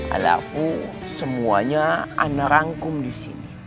alafu semuanya ana rangkum di sini